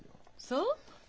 そう？